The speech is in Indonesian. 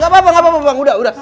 gak apa apa bang udah udah